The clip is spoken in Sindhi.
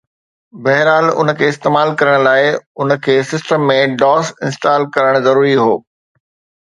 بهرحال، ان کي استعمال ڪرڻ لاء، ان کي سسٽم ۾ DOS انسٽال ڪرڻ ضروري هو